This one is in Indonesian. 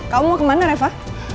kamu mau kemana reva